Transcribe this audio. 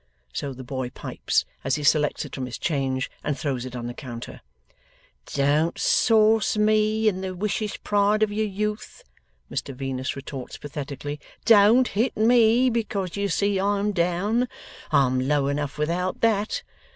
So the boy pipes, as he selects it from his change, and throws it on the counter. 'Don't sauce ME, in the wicious pride of your youth,' Mr Venus retorts pathetically. 'Don't hit ME because you see I'm down. I'm low enough without that.